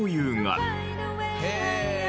へえ！